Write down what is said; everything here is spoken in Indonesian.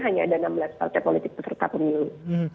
hanya ada enam belas partai politik peserta pemilu